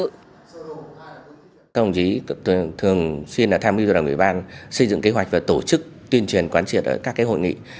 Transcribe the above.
các ông chí thường xuyên tham mưu cho đảng ủy ban xây dựng kế hoạch và tổ chức tuyên truyền quán triệt ở các hội nghị